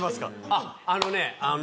あっあのねあの。